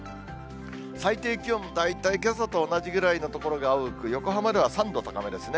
最低気温、大体けさと同じぐらいの所が多く、横浜では３度高めですね。